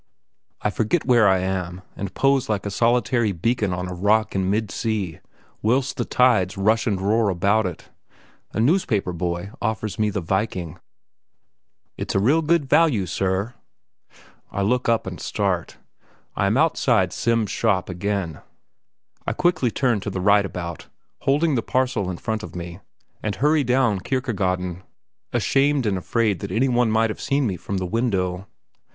I forget where I am, and pose like a solitary beacon on a rock in mid sea, whilst the tides rush and roar about it. A newspaper boy offers me The Viking. "It's real good value, sir!" I look up and start; I am outside Semb's shop again. I quickly turn to the right about, holding the parcel in front of me, and hurry down Kirkegaden, ashamed and afraid that any one might have seen me from the window.